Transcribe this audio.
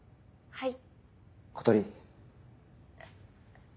はい。